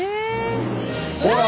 ほら！